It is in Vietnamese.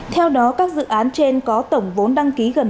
theo đó các dự án trên có tổng vốn đăng ký gần một triệu đồng